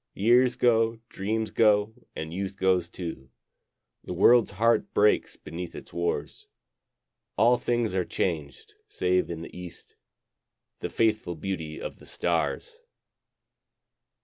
Years go, dreams go, and youth goes too, The world's heart breaks beneath its wars, All things are changed, save in the east The faithful beauty of the stars.